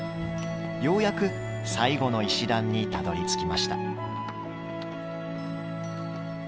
ようやく最後の石段にたどり着きました。